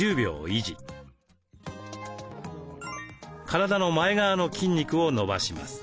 体の前側の筋肉を伸ばします。